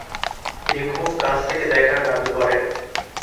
তিনি খুব কাছ থেকে দেখার দাবি করেন।